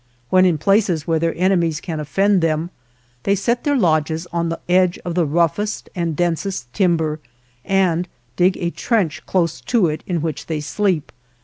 When in places where their enemies can offend them, they set their lodges on the edge of the roughest and densest timber and dig a trench close to it in which they sleep.